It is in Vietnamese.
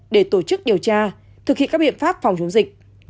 để tổ chức điều tra thực hiện các biện pháp phòng chống dịch